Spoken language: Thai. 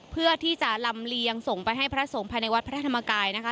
เพื่อที่จะลำเลียงส่งไปให้พระสงฆ์ภายในวัดพระธรรมกายนะคะ